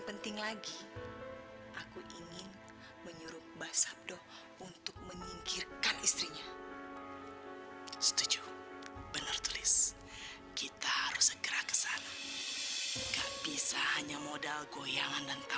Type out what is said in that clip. setengah sembilan itu udah harus bangun habis itu kamu mandi kamu makan terus kita pergi latihan deh udah